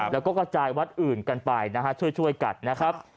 แล้วก็กระจายวัดอื่นกันไปนะฮะช่วยกันนะครับ